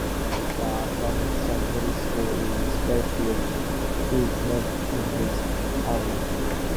The Tomlinson Middle School in Fairfield is named in his honor.